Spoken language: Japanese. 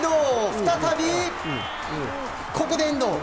再び、ここで遠藤。